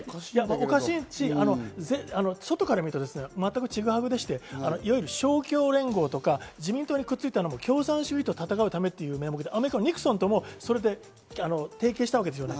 おかしいし外から見ると全くチグハグでしていわゆる勝共連合とか自民党にくっついたのも共産主義と戦うためっていう名目でアメリカのニクソンともそれで提携したわけですよね。